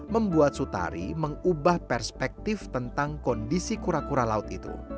membuat sutari mengubah perspektif tentang kondisi kura kura laut itu